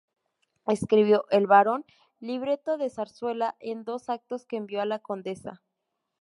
Escribió "El barón", libreto de zarzuela en dos actos que envió a la condesa.